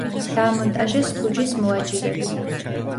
დაამონტაჟეს თუჯის მოაჯირები.